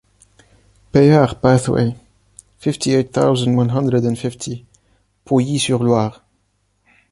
Paillard pathway, fifty-eight thousand one hundred and fifty, Pouilly-sur-Loire